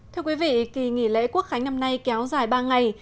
thưa quý vị kỳ nghỉ lễ quốc khánh năm nay kéo dài ba ngày